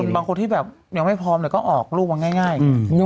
บางคนที่แบบยังไม่พร้อมก็ออกลูกมาง่าย